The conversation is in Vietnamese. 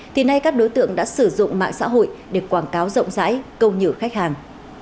thì nay các đối tượng đã sử dụng mạng xã hội để quảng cáo rộng rãi câu nhựa khách hàng